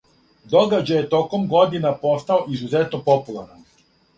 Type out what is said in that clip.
Догађај је током година постао изузетно популаран.